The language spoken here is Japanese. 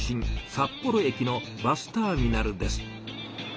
札幌駅のバスターミナルです。